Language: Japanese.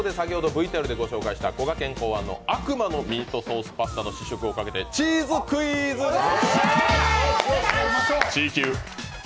こがけん考案の悪魔のミートソースパスタの試食をかけてチーズクイズです！